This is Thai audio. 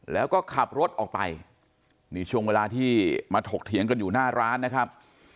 แล้วก็ขับรถออกไปนี่ช่วงเวลาที่มาถกเถียงกันอยู่หน้าร้านนะครับ